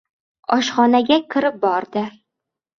Oshxonaga kirib bordi.